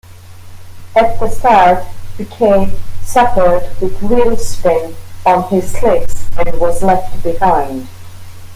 At the start, Piquet suffered with wheelspin on his slicks and was left behind.